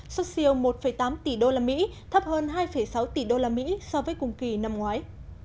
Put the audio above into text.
xuất siêu một tám tỷ usd thấp hơn hai sáu tỷ usd so với cùng kỳ năm ngoái